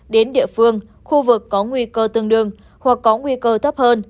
đến địa phương khu vực có nguy cơ tương đương hoặc có nguy cơ thấp hơn